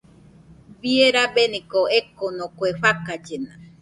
Bie rabeniko ekoko, kue fakallena